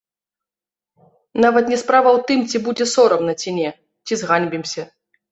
Нават не справа ў тым, ці будзе сорамна, ці не, ці зганьбімся.